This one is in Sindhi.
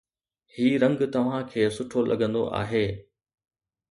هي رنگ توهان کي سٺو لڳندو آهي